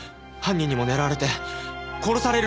犯人にも狙われて殺される。